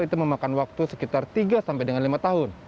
itu memakan waktu sekitar tiga sampai dengan lima tahun